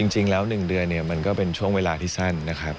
จริงแล้ว๑เดือนเนี่ยมันก็เป็นช่วงเวลาที่สั้นนะครับ